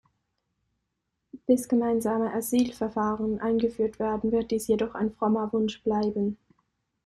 Bis gemeinsame Asylverfahren eingeführt werden, wird dies jedoch ein frommer Wunsch bleiben.